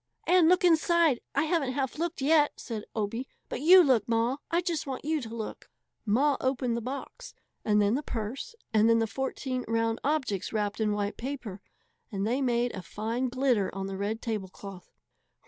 "And look inside! I haven't half looked yet," said Obie, "but you look, Ma! I just want you to look!" Ma opened the box, and then the purse, and then the fourteen round objects wrapped in white paper. And they made a fine glitter on the red tablecloth.